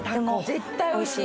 絶対おいしい！